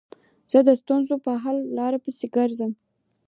زه د ستونزو په حل لارو پيسي ګرځم.